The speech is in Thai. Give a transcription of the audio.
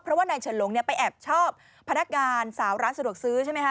เพราะว่านายเฉินหลงไปแอบชอบพนักงานสาวร้านสะดวกซื้อใช่ไหมค